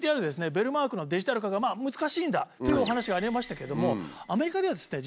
ベルマークのデジタル化が難しいんだというお話がありましたけれども。